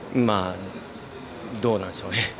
どうなんでしょうね。